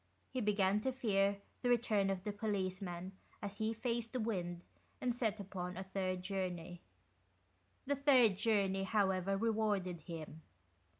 He began to fear the return of the policeman as he faced the wind and set upon a third journey. The third journey, however, rewarded him.